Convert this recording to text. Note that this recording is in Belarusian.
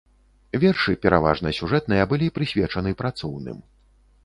Вершы, пераважна сюжэтныя былі прысвечаны працоўным.